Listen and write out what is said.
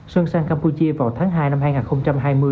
sơn sang campuchia vào tháng hai năm hai nghìn hai mươi